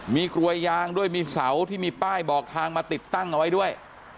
มีกลวยยางด้วยมีเสาที่มีป้ายบอกทางมาติดตั้งเอาไว้ด้วย